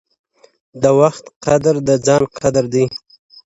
د وخت قدر د ځان قدر دی؛